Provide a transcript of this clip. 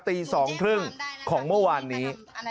ตีสองครึ่งของเมื่อวานนี้